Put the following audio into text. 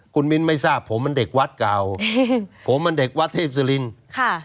คุณมิ้นไม่ทราบผมมันเด็กวัดเก่าผมมันเด็กวัดเทพศิรินค่ะ